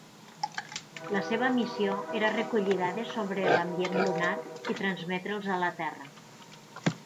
La seva missió era recollir dades sobre l'ambient lunar i transmetre'ls a la Terra.